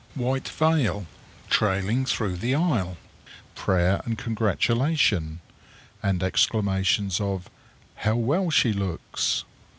White veil trailing through the aisle. Prayer and congratulation, and exclamations of "How well she looks!"